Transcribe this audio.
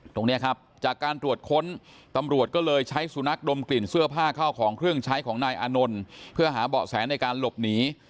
ตรงนี้ครับจากการตรวจค้นตำรวจก็เลยใช้สุนัขดมกลิ่นเสื้อผ้าเข้าของเครื่องใช้ของนายอานนท์เพื่อหาเบาะแสในการหลบหนี